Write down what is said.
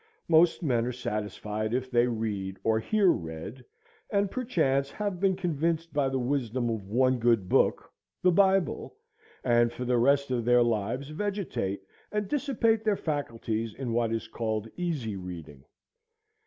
Most men are satisfied if they read or hear read, and perchance have been convicted by the wisdom of one good book, the Bible, and for the rest of their lives vegetate and dissipate their faculties in what is called easy reading.